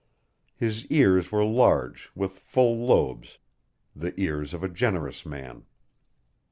His ears were large, with full lobes the ears of a generous man.